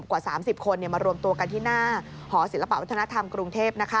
กว่า๓๐คนมารวมตัวกันที่หน้าหอศิลปะวัฒนธรรมกรุงเทพ